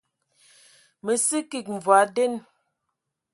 Mə sə kig mvɔi nden.